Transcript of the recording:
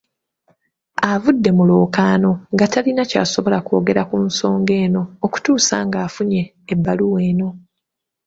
Avudde mu lwokaano nga talina ky'asobola kwogera ku nsonga eno okutuusa ng'afunye ebbaluwa eno.